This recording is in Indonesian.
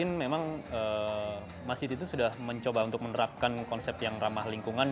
mungkin memang masjid itu sudah mencoba untuk menerapkan konsep yang ramah lingkungan